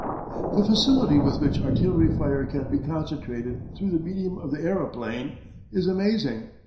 The facility with which artillery fire can be concentrated through the medium of the aeroplane is amazing.